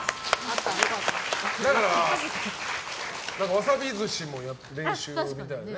ワサビ寿司も練習みたいなね。